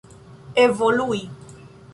evolui